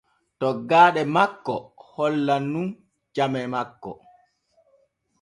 Toggaaɗe makko hollan nun came makko.